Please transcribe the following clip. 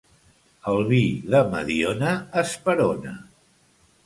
El vi de Mediona esperona.